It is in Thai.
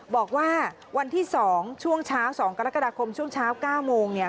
บอกว่าวันที่๒ช่วงเช้า๒กรกฎาคมช่วงเช้า๙โมงเนี่ย